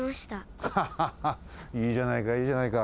ハハハいいじゃないかいいじゃないか。